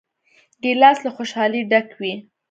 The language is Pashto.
ګیلاس له خوشحالۍ ډک وي.